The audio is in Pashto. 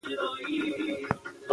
آیا د ایوب خان لښکر کندهار ته روان وو؟